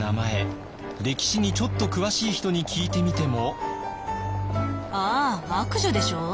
歴史にちょっと詳しい人に聞いてみても。